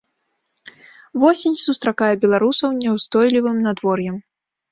Восень сустракае беларусаў няўстойлівым надвор'ем.